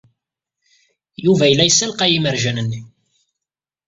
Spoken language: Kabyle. Yuba yella yessalqay imerjan-nni.